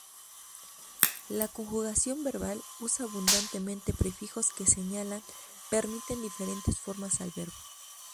La conjugación verbal usa abundantemente prefijos que señalan permiten diferentes formas al verbo.